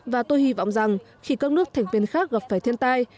và tôi hy vọng rằng khi các nước thành viên khác gặp phải thiên tai